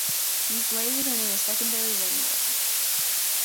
These layers are known as "secondary lamellae".